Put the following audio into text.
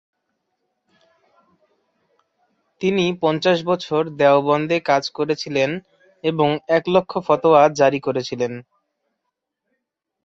তিনি পঞ্চাশ বছর দেওবন্দে কাজ করেছিলেন এবং এক লক্ষ ফতোয়া জারি করেছিলেন।